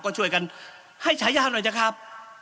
ก็ช่วยกันให้ฉายาหน่อยเถอะครับ